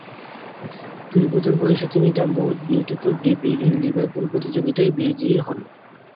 দুই বছর বয়সে তিনি 'the most beautiful baby in Liverpool' প্রতিযোগিতায় বিজয়ী হন।